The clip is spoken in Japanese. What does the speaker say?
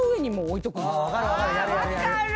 あ分かる！